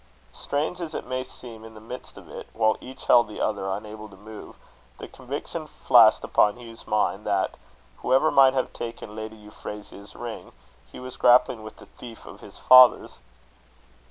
Strange as it may seem in the midst of it, while each held the other unable to move, the conviction flashed upon Hugh's mind, that, whoever might have taken Lady Euphrasia's ring, he was grappling with the thief of his father's.